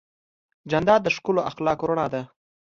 جانداد د ښکلو اخلاقو رڼا ده.